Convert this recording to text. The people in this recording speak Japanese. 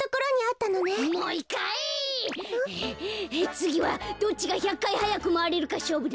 つぎはどっちが１００かいはやくまわれるかしょうぶだ。